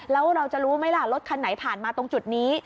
แล้วเราจะรู้ไหมล่ะรถคันไหนผ่านมาตรงจุดนี้